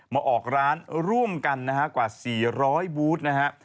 มาออกร้านร่วมกันนะฮะกว่า๔๐๐บูธนะฮะ